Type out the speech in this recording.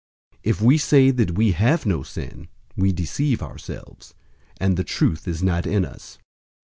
001:008 If we say that we have no sin, we deceive ourselves, and the truth is not in us.